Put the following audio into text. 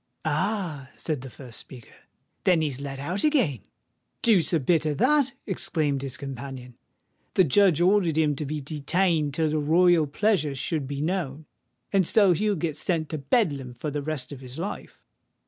"Ah!" said the first speaker: "then he's let out again?" "Deuce a bit of that!" exclaimed his companion. "The judge ordered him to be detained till the royal pleasure should be known; and so he'll get sent to Bedlam for the rest of his life."